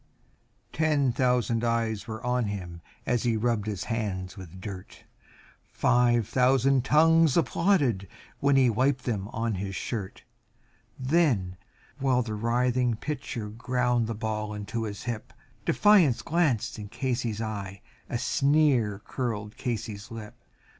Ten thousand eyes were on him as he rubbed his hands with dirt, Five thousand tongues applauded as he wiped them on his shirt; And while the writhing pitcher ground the ball into his hip Defiance gleamed from Casey's eye a sneer curled Casey's lip.